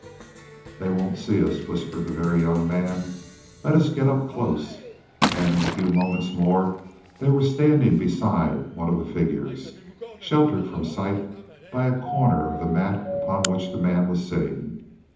"They won't see us," whispered the Very Young Man, "let's get up close." And in a few moments more they were standing beside one of the figures, sheltered from sight by a corner of the mat upon which the man was sitting.